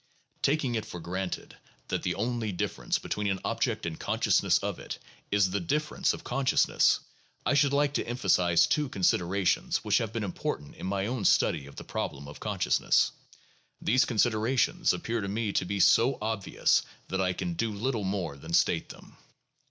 Taking it for granted that the only difference between an object and consciousness of it is the difference of consciousness, I should like to emphasize two considerations which have been important in my own study of the problem of consciousness. These considerations appear to me to be so obvious that I can do little more than state them.